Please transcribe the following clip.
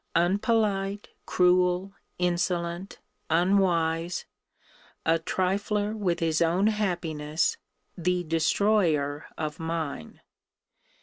Unpolite, cruel, insolent! Unwise! A trifler with his own happiness; the destroyer of mine!